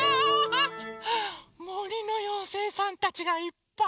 もりのようせいさんたちがいっぱい！